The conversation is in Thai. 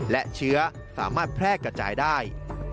และเชื้อสามารถแพร่กระจายได้